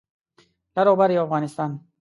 لر او بر یو افغانستان دی